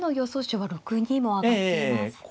手は６二も挙がっています。